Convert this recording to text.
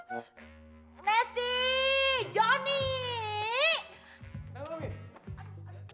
aduh aduh aduh